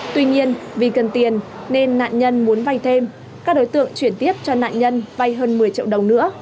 tuy nhiên vì cần tiền nên nạn nhân muốn vay thêm các đối tượng chuyển tiếp cho nạn nhân vay hơn một mươi triệu đồng nữa